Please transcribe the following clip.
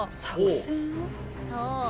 そう。